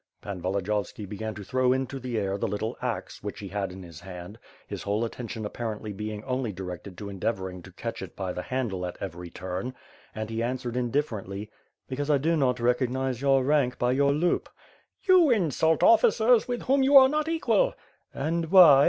Pan Volodiyovski began to throw into the air the little axe, which he had in his hand, his whole attention apparently being only directed to endeavoring to catch it by the handle at every turn, and he answered indifferently: "Because I do not recognize your rank by your loop.' "You insult officers with whom you are not equal." "And why?"